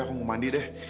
aku mau mandi deh